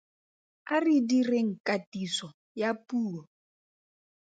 A re direng katiso ya puo.